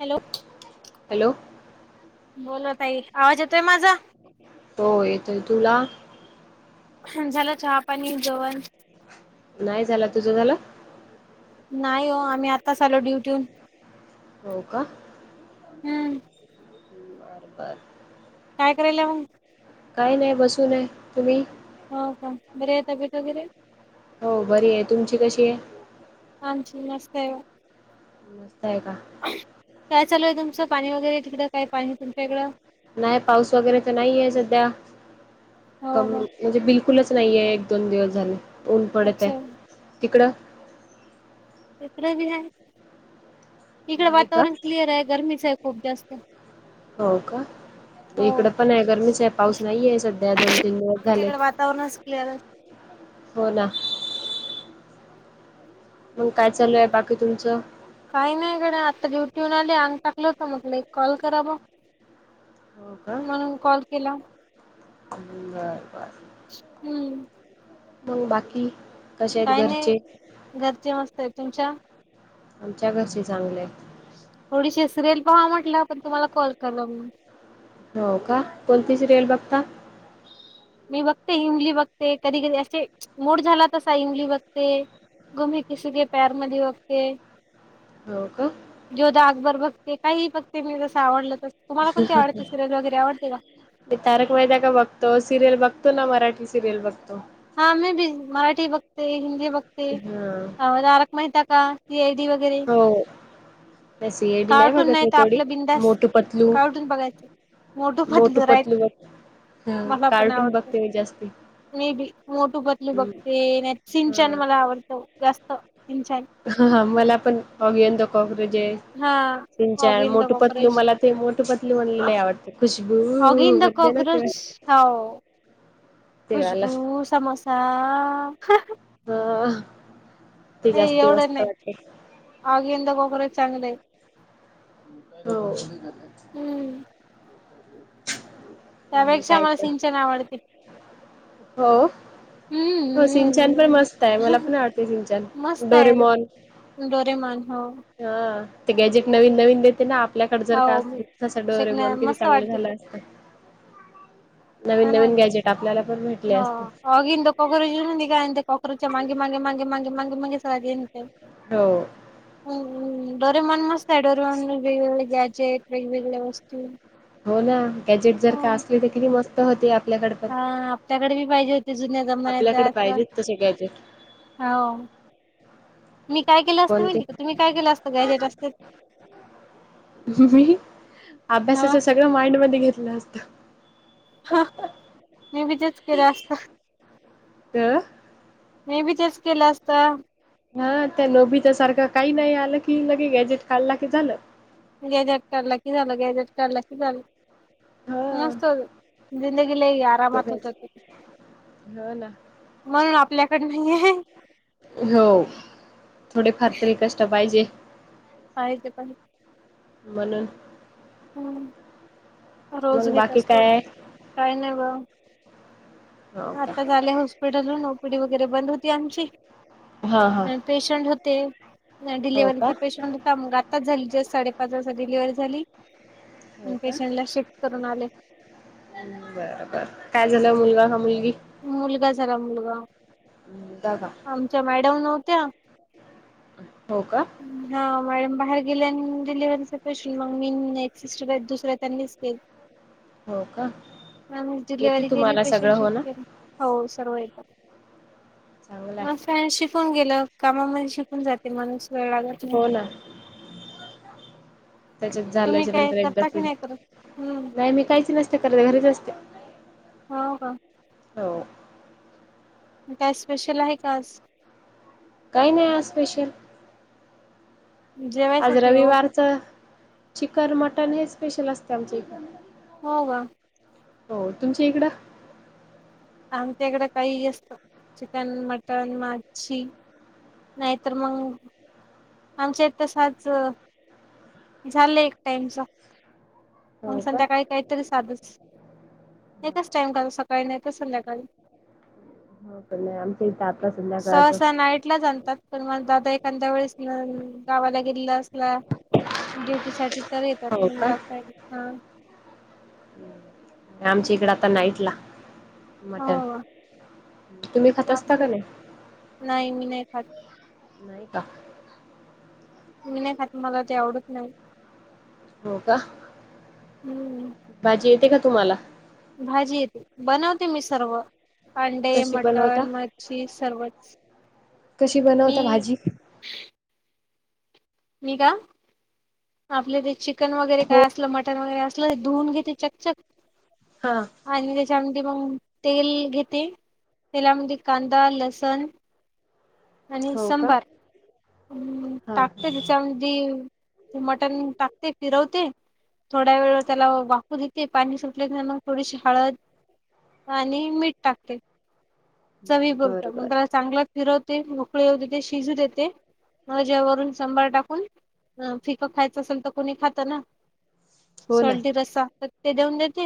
Hello. Hello. बोला ताई आवाज येतोय माझा? तो येतोय तुला हुं झालं चहा, पाणी, जेवण. नाही झाला तुझं झालं? नाही हो आम्ही आताच आलो ड्युटी हून. हो का हम्म. बरं बरं. काय करायला मंग? काय नाही बसून हाय तुम्ही? हो का. बरी आहे तब्येत वगैरे? हो बरी आहे तुमची कशी आहे? आमची नसते ओ मस्त आहे का? काय चालू आहे तुमचं पाणी वगैरे तिकडं काय पाणी तुमच्या इकडं? नाही पाऊस वगैरे तर नाहीये सध्या. हो कमी का म्हणजे बिलकुलच नाहीये एक दोन दिवस झाले ऊन पडत अच्छा. आहे. तिकडं? टिकरे बी आहे इकडं नाही का वातावरण क्लिअर आहे गरमीच आहे खूप जास्त. हो का. हो. इकडं पण आहे गरमीच आहे पाऊस नाहीये सध्या दोन तीन दिवस झाले. [unintelligible] हो ना. मंग काय चालू आहे बाकी तुमचं? काही नाही कडे आत्ता ड्युटीऊन आली आंग टाकलं होतं म्हटलं एक कॉल करा ब. हो का म्हणून कॉल केला. [unintelligible] हम्म. मंग बाकी? कसे आहेत काय नाही घरचे घरचे मस्त आहे तुमच्या? आमच्या घरचे चांगले आहेत. थोडीशी सरेल पाहा म्हटलं पण तुम्हाला कॉल करलो मी. हो का. कोणती सिरियल बघता? मी बघते इमली बघते. कधी कधी असे मूड झाला तसा इमली बघते. गुम है किसी के प्यार मध्ये बघते. हो का. जोधा अकबर बघते काहीही बघते मी जसं आवडलं तसं तुम्हाला पण ते आवडते सिरियल वगैरे आवडते का? ते तारक मेहता का बघतो सिरियल बघतो ना मराठी सिरियल बघतो. हा मी बी मराठी बघते, हिंदी बघते हा तारक मेहता कां. सी आय डी वगैरे हो. नाही सी आय डी नाही कार्टून बघत मी तर तेवढी आपलं बिंदास मोठू पतलू कार्टून बघायचे. मोटू मोठू राईट पतलू बघ हा कार्टून बघते मी जास्ती. मेबी मोटू पतलू बघते नाही तर, सिंचान हा मला आवडतं जास्त सिंचान. मला पण अगयंत कॉक्रोचेस. हा Oggy सींजान in the Motu Patlu cockroach मला ते, मोटू पतलू म्हणलेले आवडते. खुशबू ऑगी इन द बड्डेला केवाय कॉकरोच हो खुशबू समोसा. त नाही एवढं नाही आगिंद गोगरं चांगले आहे. हो. हम्म त्या मग अपेक्षा काय मला तर सिंचान आवडते. हो. हो सिंचन पण हम्म मस्त आहे मला पण आवडते सिंचन, डोरेमॉन डोरेमोन हो. ह ते गॅजेट नवीन नवीन देते ना, आपल्याकडं जर काय हो असं डोरे शिकण्या म्हणून किती मस्त चांगलं वाटते ते झालं. नवीन-नवीन गॅजेट आपल्याला पण भेटले असते. ऑगिंद कॉकरॉच न निघाये इंद कॉकरॉच्या मांगे मांगे मांगे मांगे मांगे मांगे मांगे [unintelligible] ते. हो. हम्.. डोरेमण मस्त आहे, डोरेमन वेगवेगळे गॅजेट वेगवेगळ्या वस्तू. हो ना गॅजेट जर का असले तर किती मस्त होते आपल्याकडे पण. त्याकडे मी पाहिजे होते जुन्या जमान्याचा आपल्याकडे असं पाहिजेत तसे गॅजेट हाव. मी काय केलं असतं कोणते माहिती का तुम्ही काय केलं असतं गॅजेट असते मी हा अभ्यासाचा सगळं माइंड मध्ये घेतलं असतं. हा मी बी तेच केलं असतं. त.. मी बी तेच केलं असतं. हा त्या नोभीताच्या सारखं काही नाही, आलं की लगे गॅजेट काढला की झालं. गॅजेट काढला कि झालं गॅजेट काढला कि झालं. हा मस्त होतं ते जिंदगी लई आरामात होतं तेच की. हो ना. म्हणून आपल्याकडे नाही आहे. हो थोडे फार तरी कष्ट पाहिजे. काय तेे पण, म्हणून. हम्म रोज मग नेत बाकी असतो काय काही नाही गं. हो का. झाले हॉस्पिटल हून ओपीडी वगैरे बंद होती आमची. हा हा. पेशंट होते. हो का डिलिव्हरीचा पेशंट होता, मग आताचं झाली जस्ट साडेपाच वाजता डिलिव्हरी झाली. हो का? पेशंटला शिफ्ट करून आले बर बर काय झालं, मुलगा का मुलगी. मुलगा झाला मुलगा, मुलगा का आमच्या मॅडम नव्हत्या. हो कां. हो. मॅडम बाहेर गेल्या आणि डिलेव्हरीच पेशंट मग, मी एक सिस्टर दुसऱ्या त्यांनीच केली. हो का आम्ही येते डिलेवरी केली तुम्हाला सगळं पेशंटची. हो ना हो सर्व येतं चांगलं आहे एक [unintelligible] शिकून गेलं कामामध्ये शिकून जाते माणूस वेळ लागत नाही हो ना. त्यांच्यात तुम्ही झाल्याच्या काय नंतर एकदा, करता की कणी नाही करत हम्म नाही मी काहीच नस काय करते, घरीच असते. हो का? हो. काय स्पेशल आहे का आज? काही नाही आज स्पेशल आज जेवायसाठी हो रविवारचं चिकन मटन हेच स्पेशल असत आमच्या इथ. हो ग. हो तुमच्या इकडं? आमच्या इकडं काहीही असतं चिकन, मटण, मच्छी. नाहीतर मग आमच्या तसाच झाले एक टाइमचा. मग हो का संध्याकाळी काहीतरी साधच एकच टाइम कर काही नाही तर संध्याकाळी हो पण नाही आमच्या इथ आता सहसा संध्याकाळात नाईटलाच आणतात [unintelligible] पण मला दादा एखाद्या वेळेस गावाला गेलेला असला ड्युटी साठी तर येतात हो का? म्हणून हा [unintelligible] आमच्या इकडं आता नाईटला मटण हो तुम्ही खात असता का नाही? नाही मी नाही खात. नाही का? मी नाही खात मला ते आवडत नाही. हो का हम्म भाजी येते का तुम्हाला? भाजी येते बनवते मी सर्व. अंडे कशी बनवता? मटण मच्छी सर्वच कशी मी बनवता भाजी? मी का आपलं ते चिकन वगैरे हो. काय असलं मट तर वगैरे असलं धुऊून घेते चकचक. हां. आणि त्याच्यामध्ये मग तेल घेते तेलामध्ये कांदा लसण आणि हो का संबार हा टाकते त्याच्यामधी मटन टाकते फिरवते थोड्या वेळ त्याला वाफु देते पाणी सुटल्याव मग थोडीशी हळद आणि मीठ टाकते. चवी बरं पुरतं मग बरं त्याला चांगला फिरवते मोकळे होऊ देते शिजू देते. म वून [unintelligible] सांभार टाकून फिकं खायचं असेल तर कोणी खातं ना. हो ना सॉल्टी रस्सा. तर ते देऊन देते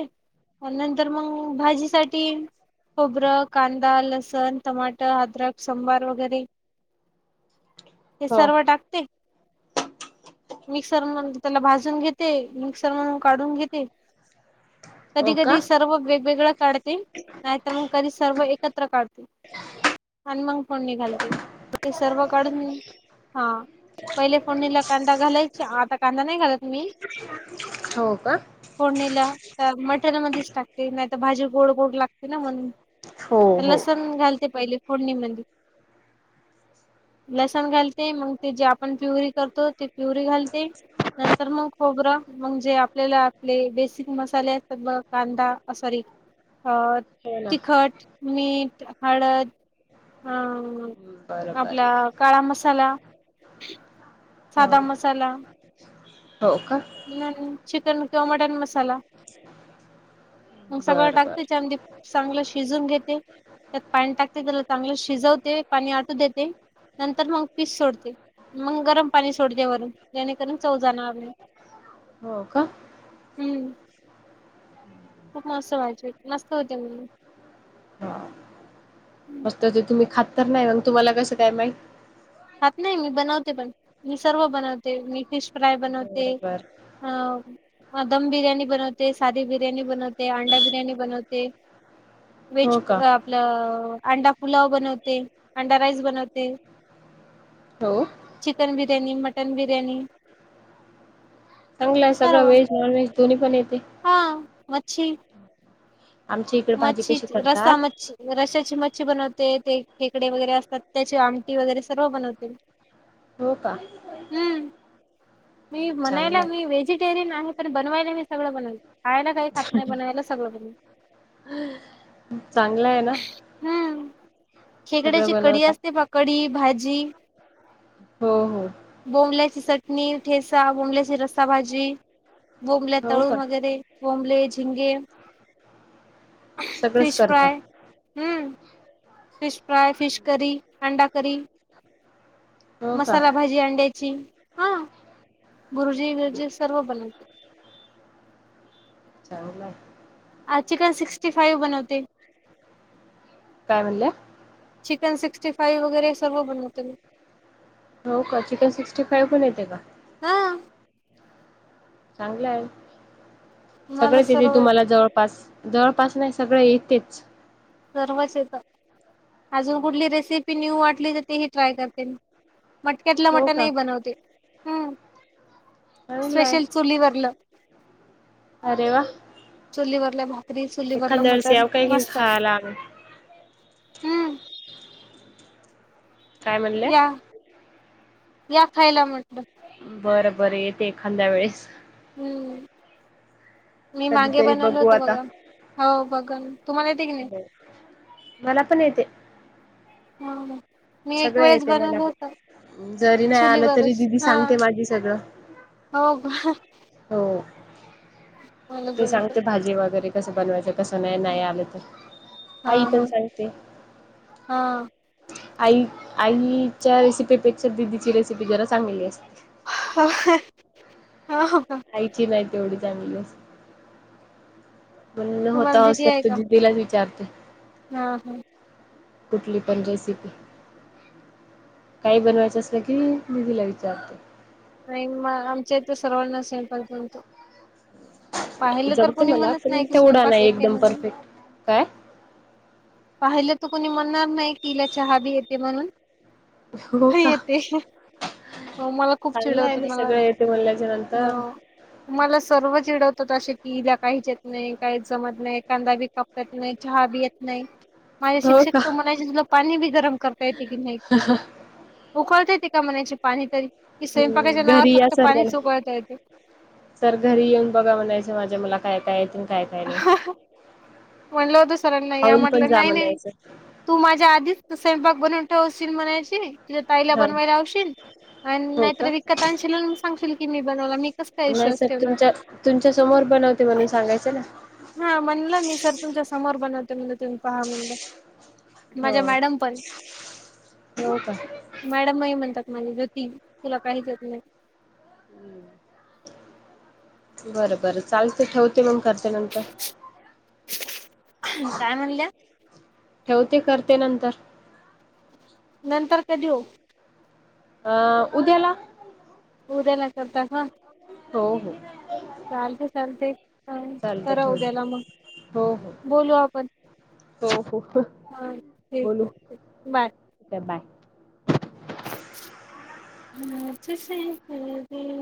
नंतर मग भाजीसाठी खोबरं कांदा दा लसन, टमाटर, अद्रक, संभार वगैरे हे हो सर्व टाकते मिक्सर म्हणून त्याला भाजून घेते मिक्सर म्हणून काढून घेते. कधी हो का कधी सर्व वेगवेगळं काढते नाहीतर मग कधी सर्व एकत त्र काढते आणि मंग फोडणी घालते ते सर्व काढून हां पहिले फोडणीला कांदा घालायच्या आता कांदा नाही घालत मी. हो का? फोडणीला तर मटेर ल मध्येच टाकते नाहीतर भाजी गोड गोड लागते ना म्हणून. हो हो. लसण घालते पहिले फोडणी मधी. लसण घालते मग ते जे आपण प्युरी करतो ते प्युरी घालते. नंतर मग खोबरं मगजे आपल्याला आपले बेसिक मसाले असतात बगा कांदा अ सॉरी अ हो ना तिखट, मीठ, हळद अ बरं आपला बरं काळा मसाला हा सादा मसाला हो का? [unintelligible] ह चिकन किंवा मटन मसाला. मग सगळं बरं टाकते बरं त्याच्यामध्ये चांगलं शिजून घेते. त्यात पाणी टाकते त्याला चांगलं शिजवते पाणी आटू देते. नंतर मग पीस सोडते मग गरम पाणी सोडते वरून जेणेकरून चव जाणार नाही. हो का? हम्म खूप मस्त व्हायची मस्त होते म्हणून ह मस्त ते तुम्ही खात तर नाही मग तुम्हाला कसं काय माहित? खात नाही मी बनवते पण मी सर्व बनवते मी फिश फ्राय बनवते बरोबर हा. ह दम बिर्याणी बनवते साधी बिर्याणी बनवते अंडा बिर्याणी बनवते. हो व्हेज का आपलं अंडा पुुलाव बनवते अंडा राईस बनवते. हो. Chicken biryani mutton biryani. चांगलं आहे सगळं सर्व व्हेज नॉनव्हेज दोन्ही पण येते. हा मच्छी. आमच्या इकडे भाजी मच्छी कशी रस्सा करतात मच्छी रशाची मच्छी बनवते ते खेकडे वगैरे असतात त्याची आमटी वगैरे सर्व बनवते. [inaudible] [unintelligible] हो का? हम्म मी म्हणायला चांगला मी वेज आहे व्हेजिटेरयन आहे पण बनवायला मी सगळ बनवते खायला काही खात नाही बनवायला सगळं बन चांगलं आहे ना? हम्म सगळं खेकड्याची कढी बनवता असते बग कढी भाजी हो हो. बोंबल्याची चटणी ठेसा बोंबल्याची रस्सा भाजी बोंबल्या हो का तळूण वगैरे बोंबले झिंगे सगळंच फिश करता फ्राय. हम्म फिश फ्राय, फिश करी, अंडा करी हो का मसाला भाजी अंड्ये जी हा बुरुजी बीरजी सर्व बनवत चांगले [unintelligible] आज चिकन सिक्स्टी फाईव्ह बनवते. काय म्हणल्या? चिकन सिक्स्टी फाय वगैरे सर्व बनवते मी. हो का चिकन सिक्स्टी फाईव्ह पण येते का? हा. चांगलं आहे मला सगळेच येते सर्व तुम्हाला जवळपास. जवळपास नाही सगळ येतेच. सर्वच येत अजून कुठली रेसिपी न्यू वाटली तर तेही ट्राय करते म मटक्यातलं हो मटण का ही बनवते हम्म. चांगलं आहे स्पेशल चुलीवरलं अरे वा चुलीवरलं भाकरी चुलीवरलं एखाद्या वेळेस मटण याव काय घेऊन मस्त हम. खायला आम्ही काय म्हणल्या या या खायला म्हटलं. बरं बरं येते एखाद्या वेळेस. हम्म मी मागे कधीतरी बनवल बघू होत आता बघा. हो बघा तुम्हाले येते की नाही? मला पण येते. हो हो. मी एक सगळं वेळेस येते बनवल मला होत पण जरी नाही आलं तरी चुलीवरच दिदी हा. सांगते माझी सगळं हो. हो. मला तो जमत. सांगतो भाजी वगैरे कस बनवायचं. तसं नाही नाही आलं तर हा आई पण सांगते. हा आई आईच्या रेसिपीपेक्षा दिदीची रेसिपी जरा चांगली असते. [unintelligible] हो का? आईची नाही तेवढी चांगली असते. म्हण तुम्हाला होतास दिदी आहे तर का दिदीलाच विचारते. हा हम्म्म. कुठली पण रेसिपी काही बनवायचं असलं की दिदीला विचारते. नाही मग आमच्या इथ सर्वांनाच स्वयंपाक बनतो. पाहिलं तर जमते कुणी मला म्हणत पण नाही, की तेवढा स्वयंपाक नाही येते एकदम म्हणून. परफेक्ट. काय? पाहिलं तर कोणी म्हणणार नाही की हिला चहा बी येते म्हणून. हो हा का? येते. हो मला खूप चांगलं आहे चिडवत्यात ना मला सगळं येते म्हणल्याच्या नंतर. मला सर्व चिडव तो तसे पिईला काहीच येत नाही, काहीच जमत नाही. कांदा बी कापता येत नाही, चहा बी येत नाही. माझ्या शिक्षक तर म्हणायचे तुला पाणी बी गरम करता येते की नाही. उकळता येते का म्हणायचे पाणी तरी, की स्वयंपाकाच्या हम्म नावावर घरी या फक्त पाणीच सर्वांना. उकळता येते. सर घरी येऊन बघा म्हणायचं माझ्या मला काय काय येतय आणि काय काय नाही. म्हणलं होतं सरांना या खाऊन पण म्हटलं जा नाही नाही. म्हणायचं. तू माझ्या आधीच तु स्वयंपाक बनवून ठेवशील म्हणायची तूझ्या ताईला हा बनवायला लावशील. आणि हो का? नाहीतर विकत आणशील आणि मग सांगशील की मी बनवला. मी कस काय नाही विश्वास सर ठेव तुमच्या तुमच्या समोर बनवते म्हणून सांगायचं ना. हा म्हणलं मी सर तुमच्या समोर बनवते म्हणलं तुम्ही पहा म्हणलं. हो माझ्या मॅडम पण. हो का? मॅडम नाही म्हणतात मला ज्योती तुला काहीच येत नाही. [inaudible] बरं बर चालतय ठेवते मग करते नंतर. काय म्हणल्या? ठेवते करते नंतर. नंतर कधी ओ? आ उद्याला उद्याला करता का? हो हो. चालतंय चालतंय. चालते करा उद्याला ठेवते. मग, हो बोलू आपण. हो हो हो. हां ठीक आहे बाय. के बाय. [unintelligible]